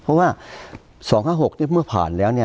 เพราะว่าสองห้าหกที่เมื่อผ่านแล้ว